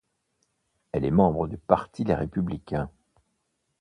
Elle est membre du parti Les Républicains.